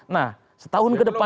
nah setahun kedepan